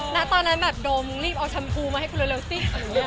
อ๋อนะตอนนั้นแบบโดมรีบเอาชำพูมาให้พูดเร็วซิคือเนี่ย